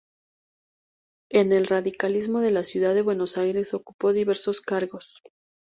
En el radicalismo de la ciudad de Buenos Aires ocupó diversos cargos.